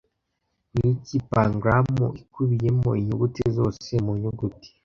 Niki Pangram ikubiyemo inyuguti zose mu nyuguti